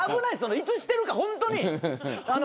いつしてるかホントに。